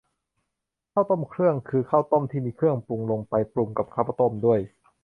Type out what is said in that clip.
ข้าวต้มเครื่อง คือข้าวต้มที่มีเครื่องปรุงลงไปปรุงกับข้าวต้มด้วย